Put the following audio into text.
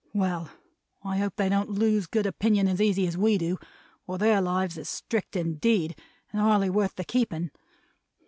Well! I hope they don't lose good opinion as easy as we do, or their lives is strict indeed, and hardly worth the keeping.